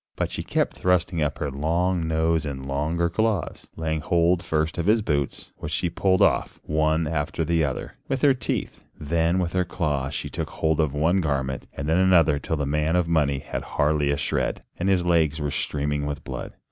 But she kept thrusting up her long nose and longer claws, laying hold first of his boots, which she pulled off, one after the other, with her teeth, then with her claws she took hold of one garment and then another till the man of money had hardly a shred, and his legs were streaming with blood.